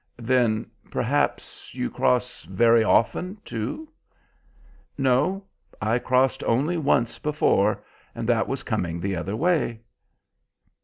"Then, perhaps you cross very often, too?" "No; I crossed only once before, and that was coming the other way."